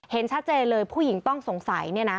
เห็นชัดเจนเลยผู้หญิงต้องสงสัย